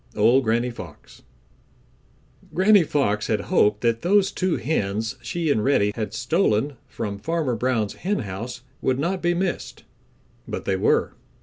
—Old Granny Fox. Granny Fox had hoped that those two hens she and Reddy had stolen from Farmer Brown's henhouse would not be missed, but they were.